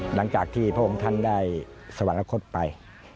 หลังจากที่พระองค์ท่านได้สวรรคตไป